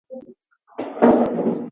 andaa glass yakuwekea juisi